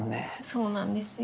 そうなんですよ。